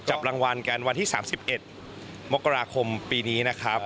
จับรางวัลกันวันที่สามสิบเอ็ดมกราคมปีนี้นะครับ